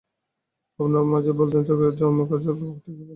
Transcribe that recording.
আপনার মা যে বলতেন চোখে জন্মকাজল, ঠিকই বলতেন।